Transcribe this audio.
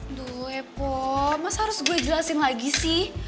aduh epo mas harus gue jelasin lagi sih